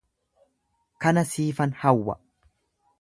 Kana siifan hawwa